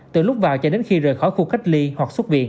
từ lúc vào cho đến khi rời khỏi khu cách ly hoặc xuất viện